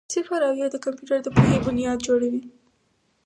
صفر او یو د کمپیوټر د پوهې بنیاد جوړوي.